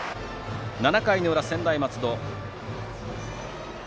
７回の裏、専大松戸。